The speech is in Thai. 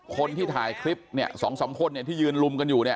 คนที่ถ่ายคลิปเนี่ย๒๓คนเนี่ยที่ยืนลุมกันอยู่เนี่ย